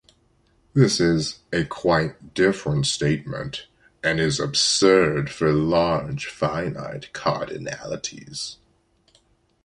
This is a quite different statement, and is absurd for large finite cardinalities.